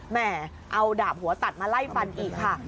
แม่เอาดาบหัวตัดมาไล่ฟันอีกค่ะ